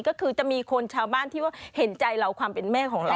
ก็คือจะมีคนชาวบ้านที่ว่าเห็นใจเราความเป็นแม่ของเรา